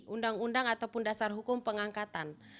undang undang ataupun dasar hukum pengangkatan